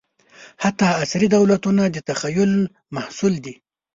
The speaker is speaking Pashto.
حتی عصري دولتونه د تخیل محصول دي.